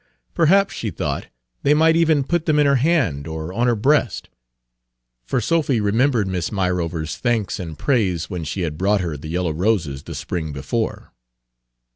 Perhaps, she thought, they might even put them in her hand or on her breast. For Sophy remembered Miss Myrover's thanks and praise when she had brought her the yellow roses the spring before.